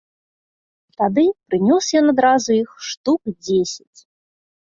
Тады прынёс ён адразу іх штук дзесяць.